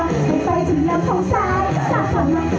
โตตาชีวิตคนสดอิสระดีน้า